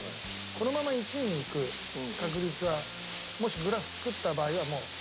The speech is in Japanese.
このまま１位にいく確率はもしグラフ作った場合はもうあるわけ。